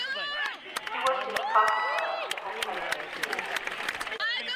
He worked in a parking garage to help pay for his schooling.